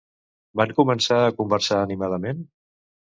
Van començar a conversar animadament?